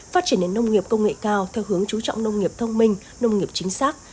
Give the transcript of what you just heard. phát triển đến nông nghiệp công nghệ cao theo hướng chú trọng nông nghiệp thông minh nông nghiệp chính xác